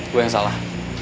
gua yang salah